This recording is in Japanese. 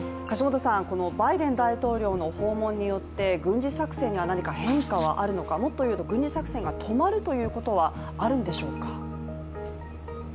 このバイデン大統領の訪問によって軍事作戦には何か変化があるのか、もっと言うと軍事作戦が止まるということはあるんでしょうか。